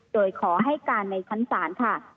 โดยขอให้การในชั้นศาลค่ะ